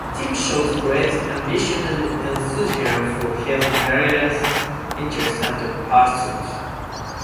Steve shows great ambition and enthusiasm for his various interests and pursuits.